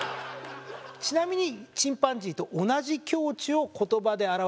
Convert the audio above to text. ちなみにチンパンジーと同じ境地を言葉で表わすとどうなるか。